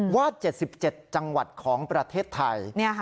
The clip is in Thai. ๗๗จังหวัดของประเทศไทย